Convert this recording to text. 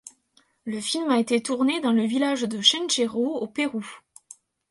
Le film a été tourné dans le village de Chinchero au Pérou.